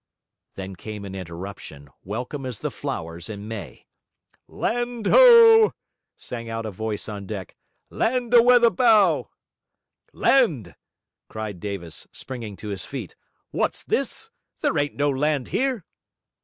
Then came an interruption, welcome as the flowers in May. 'Land ho!' sang out a voice on deck. 'Land a weatha bow!' 'Land!' cried Davis, springing to his feet. 'What's this? There ain't no land here.'